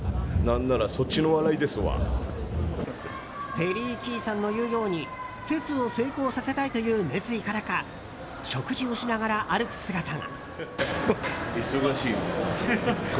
ペリー・キーさんの言うようにフェスを成功させたいという熱意からか食事をしながら歩く姿が。